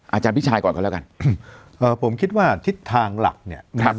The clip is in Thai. อาจารย์พี่ชายก่อนก็แล้วกันผมคิดว่าทิศทางหลักเนี่ยนะครับ